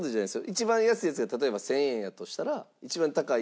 一番安いやつが例えば１０００円やとしたら一番高いやつが８０００円。